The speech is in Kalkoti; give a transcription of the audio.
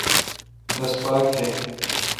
رس پاک تھ۔